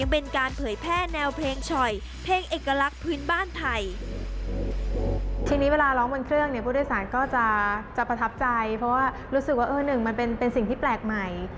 เพราะว่ารู้สึกว่าเออหนึ่งมันเป็นสิ่งที่แปลกใหม่